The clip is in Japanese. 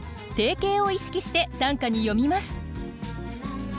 定型を意識して短歌に詠みます。